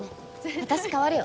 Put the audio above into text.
私代わるよ。